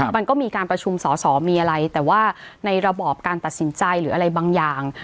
มันก็มีการประชุมสอสอมีอะไรแต่ว่าในระบอบการตัดสินใจหรืออะไรบางอย่าง